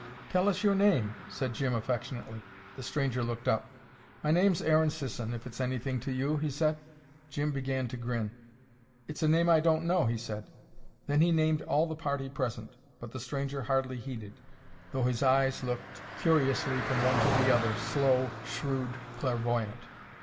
"Tell us your name," said Jim affectionately. The stranger looked up. "My name's Aaron Sisson, if it's anything to you," he said. Jim began to grin. "It's a name I don't know," he said. Then he named all the party present. But the stranger hardly heeded, though his eyes looked curiously from one to the other, slow, shrewd, clairvoyant.